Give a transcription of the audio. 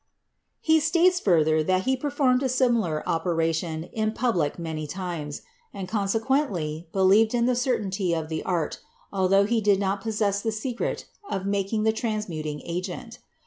He states further that he performed a similar operation in public many times, and consequently believed in the certainty of the art, altho he did not possess the secret of making the transmuting agent.